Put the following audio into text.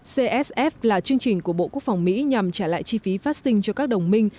csf là chương trình của bộ quốc phòng mỹ nhằm trả lại chi phí phát sinh cho các đồng minh